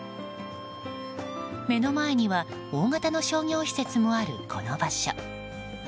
目の前には大型の商業施設もあるこの場所。